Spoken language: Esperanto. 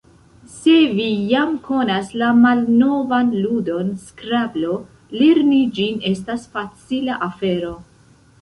Se vi jam konas la malnovan ludon Skrablo, lerni ĝin estas facila afero.